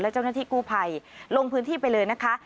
เจ้าหน้าที่กู้ภัยลงพื้นที่ไปเลยนะคะ